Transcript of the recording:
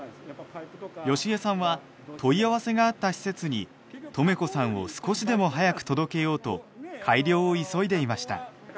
好江さんは問い合わせがあった施設にとめこさんを少しでも早く届けようと改良を急いでいました。